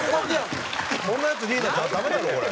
こんなヤツリーダーじゃダメだろこれ。